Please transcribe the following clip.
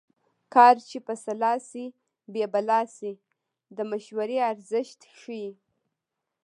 کار چې په سلا شي بې بلا شي د مشورې ارزښت ښيي